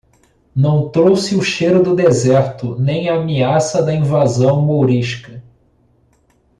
Não trouxe o cheiro do deserto nem a ameaça da invasão mourisca.